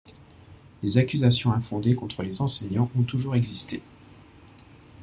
Les accusations infondées contre les enseignants ont toujours existé.